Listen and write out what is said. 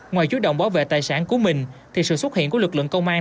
ngoài chú động bảo vệ tài sản của mình thì sự xuất hiện của lực lượng công an